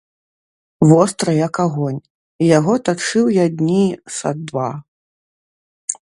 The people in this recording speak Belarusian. Востры, як агонь, яго тачыў я дні са два.